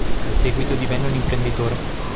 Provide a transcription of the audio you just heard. In seguito divenne un imprenditore.